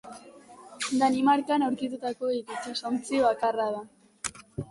Danimarkan aurkitutako hil itsasontzi bakarra da.